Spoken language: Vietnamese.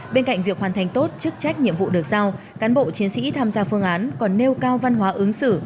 bên cạnh việc hoàn thành tốt chức trách nhiệm vụ được giao cán bộ chiến sĩ tham gia phương án còn nêu cao văn hóa ứng xử